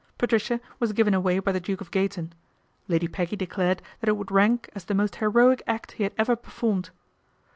Patricia was given away by the Duke of Gayton Lady Peggy declared that it would rank as the most heroic act he had ever performed.